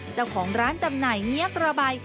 เจ้าของร้านจำหน่ายเงี๊ยกระใบ